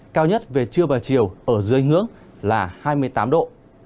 cao nhất về trưa và chiều ở dưới ngưỡng là hai mươi tám độ